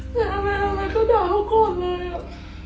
แม่แม่อะไรก็ด่าพวกก่อนเลยอะ